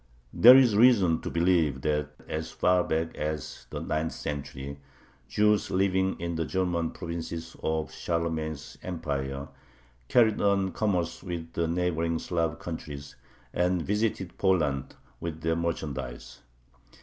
There is reason to believe that, as far back as the ninth century, Jews living in the German provinces of Charlemagne's Empire carried on commerce with the neighboring Slav countries, and visited Poland with their merchandise.